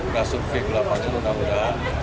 rasur v delapan nya mudah mudahan tidak ada